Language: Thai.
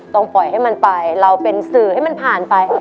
ต้องปล่อยให้มันไปเราเป็นสื่อให้มันผ่านไป